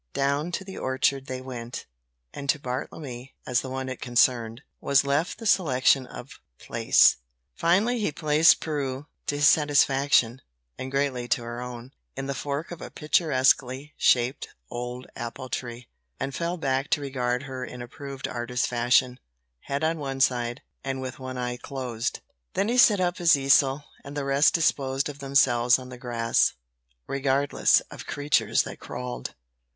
Down to the orchard they went, and to Bartlemy, as the one it concerned, was left the selection of place. Finally he placed Prue to his satisfaction and greatly to her own in the fork of a picturesquely shaped old appletree, and fell back to regard her in approved artist fashion, head on one side, and with one eye closed. Then he set up his easel, and the rest disposed of themselves on the grass, regardless of creatures that crawled.